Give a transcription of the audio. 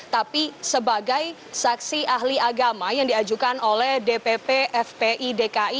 tapi sebagai saksi ahli agama yang diajukan oleh dpp fpi dki